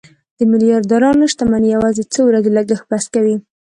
د میلیاردرانو شتمني یوازې څو ورځو لګښت بس کوي.